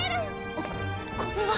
あっこれは。